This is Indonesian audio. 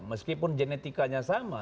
meskipun genetikanya sama